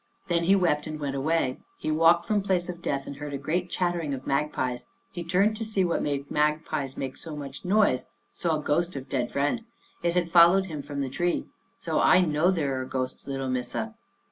Then he wept and went away. He walked from place of death and heard a great chattering of magpies. He turned to see what 126 Our Little Australian Cousin made magpies make so much noise — saw ghost of dead friend. It had followed him from the tree. So I know there are ghosts, little Missa."'